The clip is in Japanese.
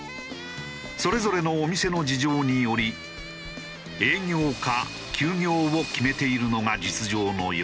それぞれのお店の事情により営業か休業を決めているのが実情のようだ。